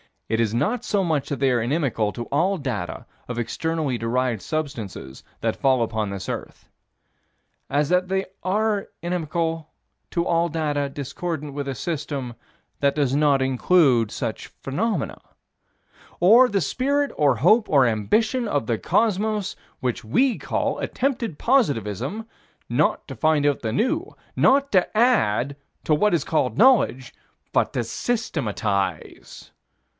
It is not so much that they are inimical to all data of externally derived substances that fall upon this earth, as that they are inimical to all data discordant with a system that does not include such phenomena Or the spirit or hope or ambition of the cosmos, which we call attempted positivism: not to find out the new; not to add to what is called knowledge, but to systematize.